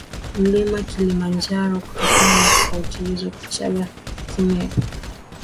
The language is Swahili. mlima KilimanjaroKutokana na tofauti hizo Kichagga kimegawanyika katika Kimachame Kirombo ambacho nacho kinatofautiana